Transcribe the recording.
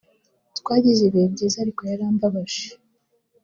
twagize ibihe byiza ariko yarambabaje